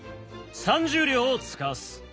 ３０両をつかわす。